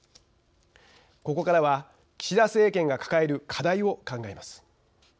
ここからは岸田政権が抱える課題を考えます。